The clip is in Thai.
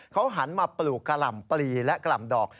เขาหันมาปลูกกะหล่ำปลีและกล่ำดอก